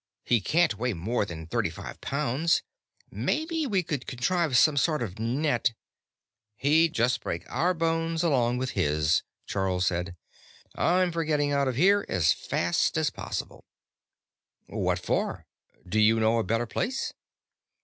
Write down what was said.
He can't weigh more than 35 pounds. Maybe we could contrive some sort of a net " "He'd just break our bones along with his," Charl said. "I'm for getting out of here as fast as possible." "What for? Do you know a better place?"